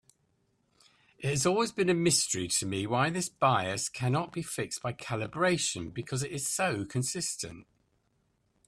It has always been a mystery to me why this bias cannot be fixed by calibration, because it is so consistent.